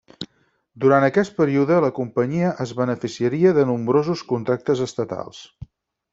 Durant aquest període la companyia es beneficiaria de nombrosos contractes estatals.